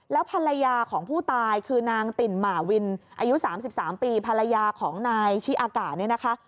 แล้วภรรยาของผู้ตายคือนางติ่นหมาวินอายุ๓๓ปีภรรยาของนายชิอากาเนี่ยนะคะ